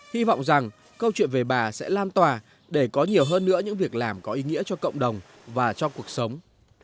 hy vọng rằng câu chuyện về bà sẽ lan tỏa để có nhiều hơn nữa những việc làm có ý nghĩa cho cộng đồng và cho cuộc sống